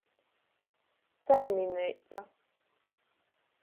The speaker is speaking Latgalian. Saimineica.